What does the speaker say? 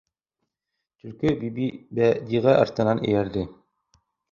Төлкө Бибибәдиғә артынан эйәрҙе.